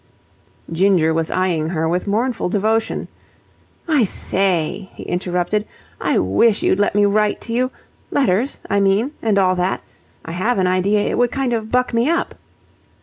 Ginger was eyeing her with mournful devotion. "I say," he interrupted, "I wish you'd let me write to you. Letters, I mean, and all that. I have an idea it would kind of buck me up."